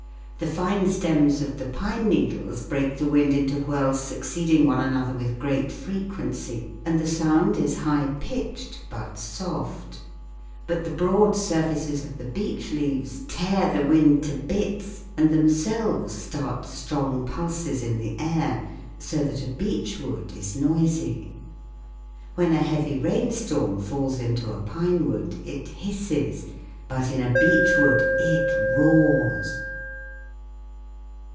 The fine stems of the pine needles break the wind into whirls succeeding one another with great frequency, and the sound is high pitched but soft ; but the broad sur faces of the beech leaves tear the wind to bits and them selves start strong pulses in the air, so that a beech wood is noisy. When a heavy rainstorm falls into a pine wood it hisses ; but in a beech wood it roars.